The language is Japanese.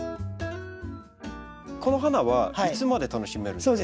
この花はいつまで楽しめるんですか？